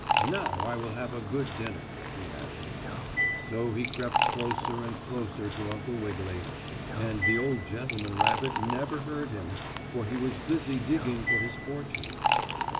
"Now I will have a good dinner," he added. So he crept closer and closer to Uncle Wiggily, and the old gentleman rabbit never heard him, for he was busy digging for his fortune.